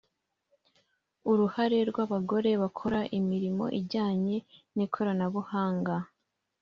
uruhare rw’abagore bakora imirimo ijyanye n’ikoranabuhanga